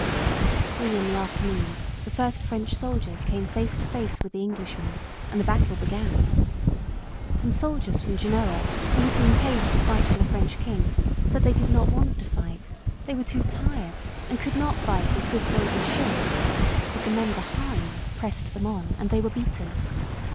At three in the afternoon the first French soldiers came face to face with the Englishmen, and the battle began. Some soldiers from Genoa who had been paid to fight for the French king, said they did not want to fight, they were too tired and could not fight as good soldiers should, but the men behind pressed them on and they were beaten.